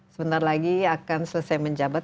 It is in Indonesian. sebentar lagi akan selesai menjabat